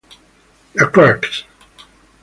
Lacroix.